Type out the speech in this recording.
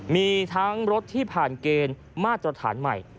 มีทั้งรถที่ผ่านเกณฑ์มาตรฐานใหม่